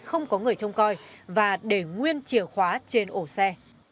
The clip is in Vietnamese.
không có người trông coi và để nguyên chìa khóa trên ổ xe